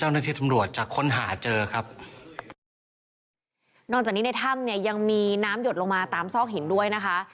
นอกจากนี้ในถ้ำเนี่ยยังมีน้ำหยดลงมาตามซอกหินด้วยนะคะ